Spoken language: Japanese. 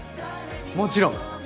もちろん。